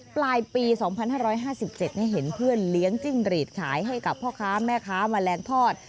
ปลายปี๒๕๕๗เห็นเพื่อนเลี้ยงจิ้งหรีดขายให้กับพ่อค้าแม่ค้าแมลงทอด